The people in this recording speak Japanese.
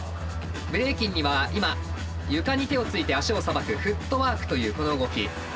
ブレイキンには今床に手をついて足をさばくフットワークというこの動き。